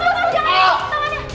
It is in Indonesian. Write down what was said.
mas mas jangan